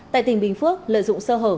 tại tỉnh bình phước lợi dụng sơ hở